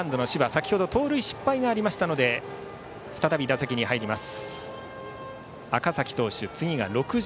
先ほど盗塁失敗がありましたので再び打席に入ります。